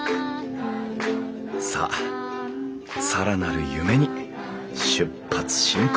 さあ更なる夢に出発進行！